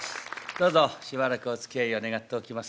どうぞしばらくおつきあいを願っておきます。